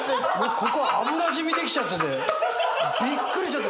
ここ油染み出来ちゃっててびっくりしちゃった。